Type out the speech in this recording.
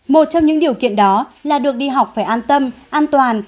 một trong những điều kiện đó là được đi học phải an tâm an toàn